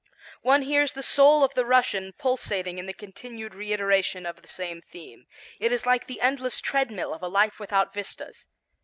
One hears the soul of the Russian pulsating in the continued reiteration of the same theme; it is like the endless treadmill of a life without vistas.